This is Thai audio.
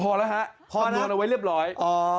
พอแล้วฮะพอนอนเอาไว้เรียบร้อย